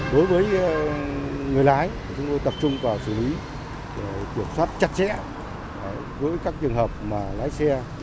đối với các chốt giao thông